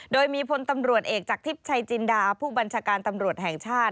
โดยมีพลตำรวจเอกจากทิพย์ชัยจินดาผู้บัญชาการตำรวจแห่งชาติ